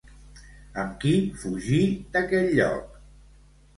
Amb qui fugí d'aquell lloc?